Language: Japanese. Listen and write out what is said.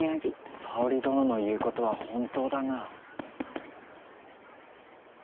沙織殿の言うことは本当だな。